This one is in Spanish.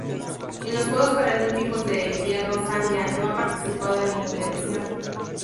En los Juegos Paralímpicos de Invierno Zambia no ha participado en ninguna edición.